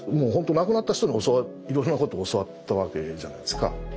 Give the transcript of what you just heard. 亡くなった人にいろんなこと教わったわけじゃないですか。